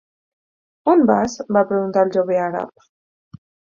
"On vas?" va preguntar el jove àrab.